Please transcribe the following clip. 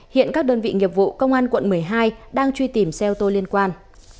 hiện các đơn vị nghiệp vụ công an quận một mươi hai đang truy tìm xe ô tô liên quan